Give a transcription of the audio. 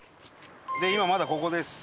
今まだここです。